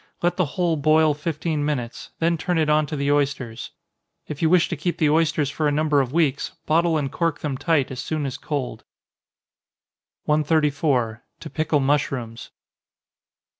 Let the whole boil fifteen minutes, then turn it on to the oysters. If you wish to keep the oysters for a number of weeks, bottle and cork them tight as soon as cold. 134. _To Pickle Mushrooms.